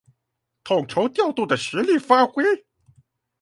統籌調度的實力發揮